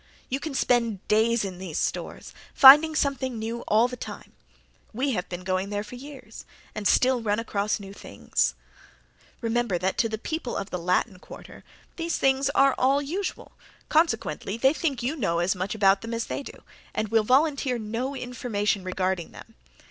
You can spend days in these stores, finding something new all the time. We have been going there for years and still run across new things. Remember that to the people of the Latin Quarter these things are all usual consequently they think you know as much about them as they do, and will volunteer no information regarding them.